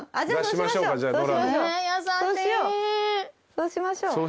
そうしましょう。